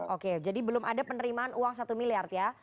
oke jadi belum ada penerimaan uang satu miliar ya